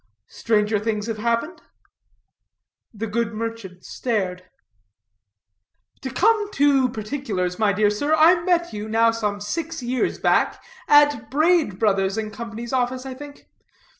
Stranger things have happened." The good merchant stared. "To come to particulars, my dear sir, I met you, now some six years back, at Brade Brothers & Co's office, I think.